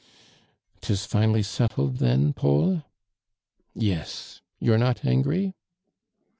'• 'Tis finally settletl then, Taul ?"" Yes; you are not angry?"